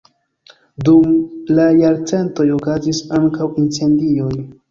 Dum la jarcentoj okazis ankaŭ incendioj.